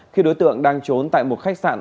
khi đối tượng đang trốn tại một khách sạn